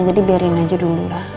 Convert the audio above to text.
jadi biarin aja dulu lah